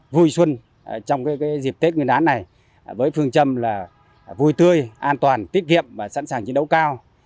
vui xuân trong dịp tết nguyên đán này với phương châm là vui tươi an toàn tiết kiệm và sẵn sàng chiến đấu cao